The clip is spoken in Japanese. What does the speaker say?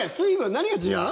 何が違う？